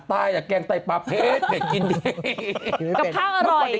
แบบว่าลิ้นรูปูเสือดี